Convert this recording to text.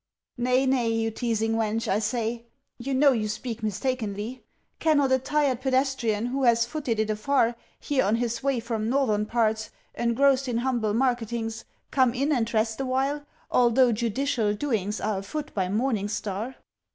"Nay, nay, you teasing wench, I say! You know you speak mistakenly. Cannot a tired pedestrian who has footed it afar Here on his way from northern parts, engrossed in humble marketings, Come in and rest awhile, although judicial doings are Afoot by morning star?"